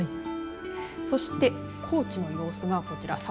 そして、高知の様子がこちら。